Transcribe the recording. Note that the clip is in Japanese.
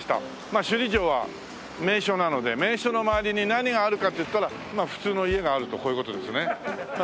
まあ首里城は名所なので名所の周りに何があるかっていったらまあ普通の家があるとこういう事ですね。